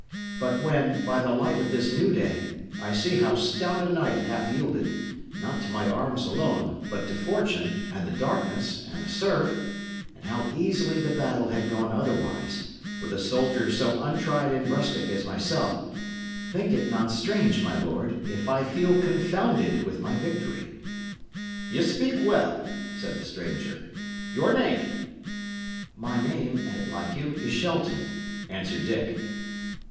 But when, by the light of this new day, I see how stout a knight hath yielded, not to my arms alone, but to fortune, and the darkness, and the surf and how easily the battle had gone otherwise, with a soldier so untried and rustic as myself think it not strange, my lord, if I feel confounded with my victory." "Ye speak well," said the stranger. "Your name?" "My name, an't like you, is Shelton," answered Dick.